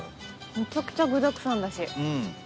めちゃくちゃ具だくさんだし。